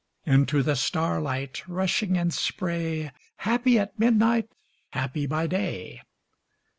Into the starlight, Rushing in spray, Happy at midnight, Happy by day!